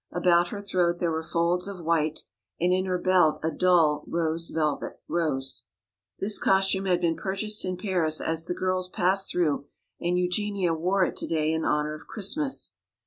About her throat there were folds of white and in her belt a dull, rose velvet rose. This costume had been purchased in Paris as the girls passed through and Eugenia wore it today in honor of Christmas.